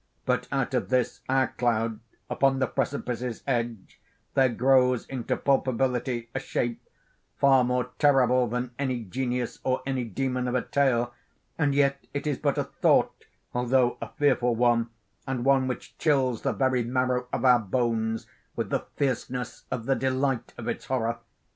But out of this our cloud upon the precipice's edge, there grows into palpability, a shape, far more terrible than any genius or any demon of a tale, and yet it is but a thought, although a fearful one, and one which chills the very marrow of our bones with the fierceness of the delight of its horror.